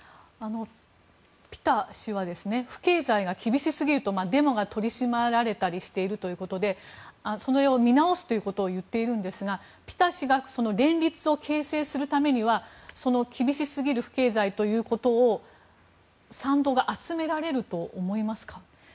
ピタ氏は、不敬罪が厳しすぎるとデモが取り締まられたりしているということでそれを見直すと言っているんですがピタ氏が連立を形成するためには厳しすぎる不敬罪ということの賛同を集められると思いますか。